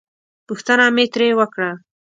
پوښتنه مې ترې وکړه.